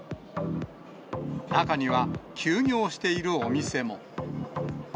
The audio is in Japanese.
中には、休業しているお店も。